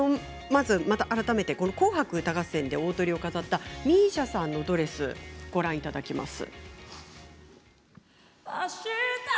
まず改めて「紅白歌合戦」で大トリを飾ったＭＩＳＩＡさんのドレスご覧いただきます。